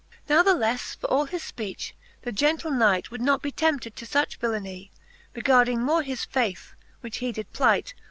XXIII. Nathelefle for all his fpeach, the gentle Knight Would not be tempted to fuch villenie, Regarding more his faith, which he did plight.